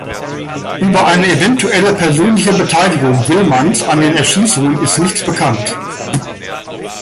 Über eine eventuelle persönliche Beteiligung Willmanns an den Erschießungen ist nichts bekannt.